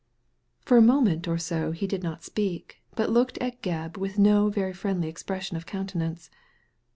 For ^ moment or so he did not speak, but looked at Gebb with no very friendly expression of counte nance.